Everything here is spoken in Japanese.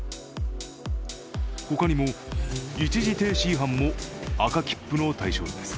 ほかにも、一時停止違反も赤切符の対象です。